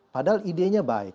padahal idenya baik